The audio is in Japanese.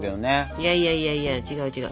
いやいやいやいや違う違う。